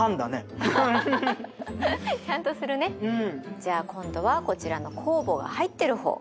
じゃあ今度はこちらの酵母が入ってる方。